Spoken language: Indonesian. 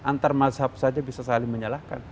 antar mazhab saja bisa saling menyalahkan